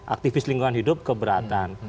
aktivis lingkungan hidup keberatan